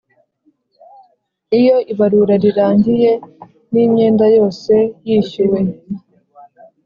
Iyo ibarura rirangiye n imyenda yose yishyuwe